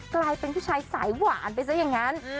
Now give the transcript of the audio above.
กลายเป็นผู้ชายสายหวานไปซะอย่างนั้น